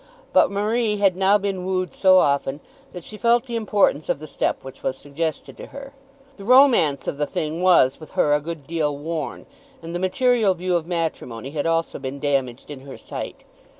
But Marie had now been wooed so often that she felt the importance of the step which was suggested to her. The romance of the thing was with her a good deal worn, and the material view of matrimony had also been damaged in her sight.